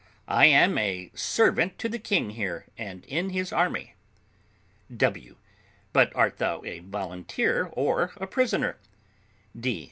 I am a servant to the king here, and in his army. W. But art thou a volunteer, or a prisoner? D.